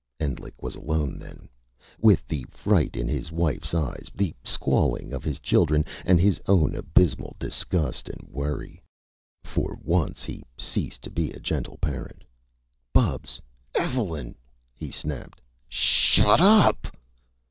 Endlich was alone, then, with the fright in his wife's eyes, the squalling of his children, and his own abysmal disgust and worry. For once he ceased to be a gentle parent. "Bubs! Evelyn!" he snapped. "Shud d d up p p!..."